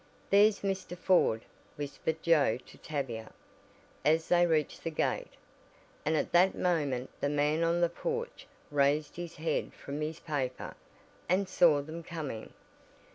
"There's Mr. Ford," whispered Joe to Tavia, as they reached the gate, and at that moment the man on the porch raised his head from his paper, and saw them coming.